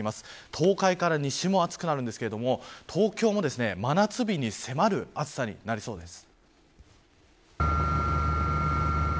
東海から西も暑くなるんですけど東京も、真夏日に迫る暑さになりそうです。